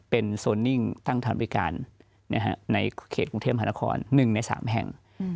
เป็นโซนนิ่งตั้งฐานพิการในเขตกรุงเทพมหานคร๑ใน๓แห่ง